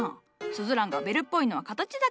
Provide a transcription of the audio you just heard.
スズランがベルっぽいのは形だけじゃ。